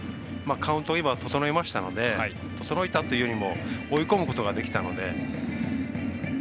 カウント、今整いましたので整えたというより追い込むことができたので。